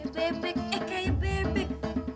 bebek eh kayak bebek